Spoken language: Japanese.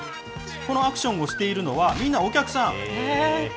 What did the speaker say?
このアクションをしているのはみんなお客さん。